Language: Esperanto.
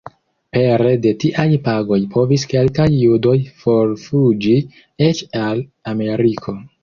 Pere de tiaj pagoj povis kelkaj judoj forfuĝi eĉ al Ameriko.